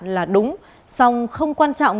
là đúng song không quan trọng